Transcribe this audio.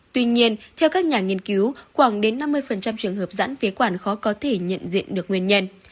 tuy nhiên theo các nhà nghiên cứu khoảng đến năm mươi trường hợp dẫn phế quản khó có thể nhận diện được nguyên nhân